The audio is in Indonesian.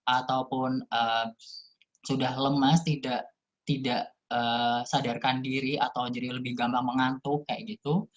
ataupun sudah lemas tidak sadarkan diri atau jadi lebih gampang mengantuk kayak gitu